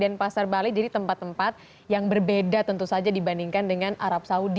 dan pasar bali jadi tempat tempat yang berbeda tentu saja dibandingkan dengan arab saudi